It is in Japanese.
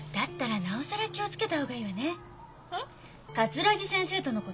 桂木先生とのこと。